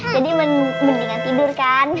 jadi mendingan tidur kan